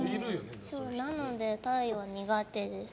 なので、太陽苦手です。